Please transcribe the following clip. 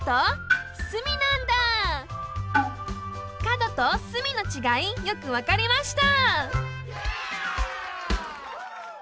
角と隅のちがいよくわかりました！